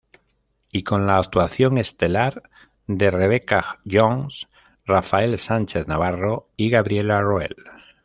Y con la actuación estelar de Rebecca Jones, Rafael Sánchez-Navarro y Gabriela Roel.